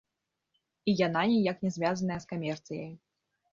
І яна ніяк не звязаная з камерцыяй.